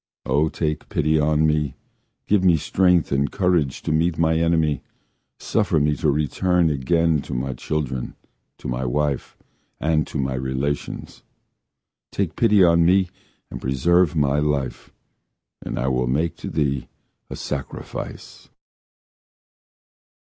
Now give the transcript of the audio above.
O! take pity on me! Give me strength and courage to meet my enemy, Suffer me to return again to my children, To my wife And to my relations! Take pity on me and preserve my life And I will make to thee a sacrifice.